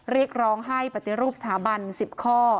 เรียกร้องให้ปฏิรูปสถาบัน๑๐ข้อ